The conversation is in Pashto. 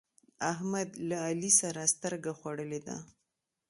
احمد له علي سره سترګه خوړلې ده.